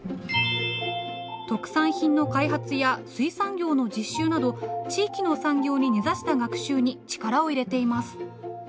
特産品の開発や水産業の実習など地域の産業に根ざした学習に力を入れています。